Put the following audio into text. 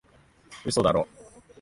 嘘だろ？